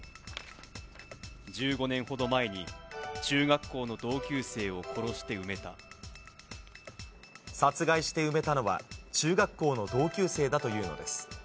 １５年ほど前に、中学校の同殺害して埋めたのは、中学校の同級生だというのです。